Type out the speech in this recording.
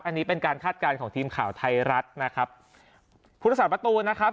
อันนี้เป็นการคาดการณ์ของทีมข่าวไทยรัฐนะครับพุทธศาสตประตูนะครับ